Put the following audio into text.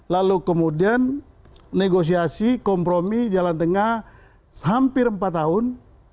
lalu kemudian negosiasi kompromi jalan tengah hampir empat tahun